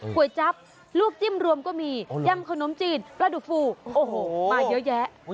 ๋วยจั๊บลูกจิ้มรวมก็มียำขนมจีนปลาดุกฟูโอ้โหมาเยอะแยะ